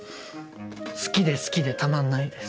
好きで好きでたまんないです。